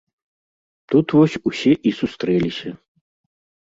Тут вось усе і сустрэліся.